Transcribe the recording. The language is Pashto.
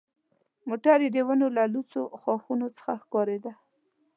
موټر یې د ونو له لوڅو ښاخونو څخه ښکارېده.